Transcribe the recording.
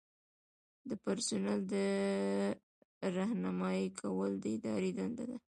د پرسونل رہنمایي کول د ادارې دنده ده.